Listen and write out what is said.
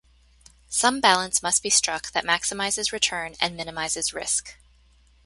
Some balance must be struck that maximizes return and minimizes risk.